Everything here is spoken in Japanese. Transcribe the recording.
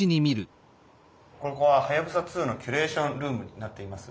ここははやぶさ２のキュレーションルームになっています。